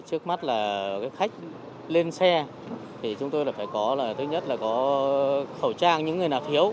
trước mắt là khách lên xe chúng tôi phải có khẩu trang những người nào thiếu